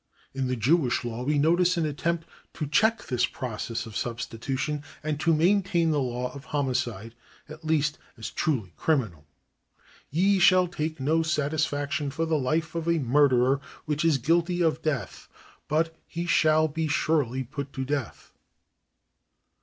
In the Jewish law we notice an attempt to check this process of substitution, and to maintain the law of homicide, at least, as truly criminal. " Ye shall take no satisfaction for the life of a murderer, which is guilty of death: but he shall be surely put to death."